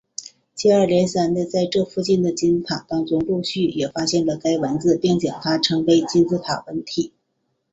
接二连三的在这附近的金字塔当中陆续了也发现了该文字并将它称为金字塔文本。